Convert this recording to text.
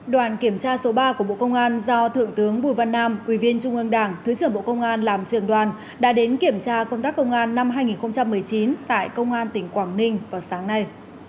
đoàn kiểm tra số ba của bộ công an do thượng tướng bùi văn nam quý viên trung ương đảng thứ trưởng bộ công an làm trường đoàn đã đến kiểm tra công tác công an năm hai nghìn một mươi chín tại công an tỉnh quảng ninh vào sáng nay